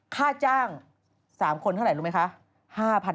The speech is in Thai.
ค่าจ้าง๓คนเท่าไหร่รู้ไหมคะ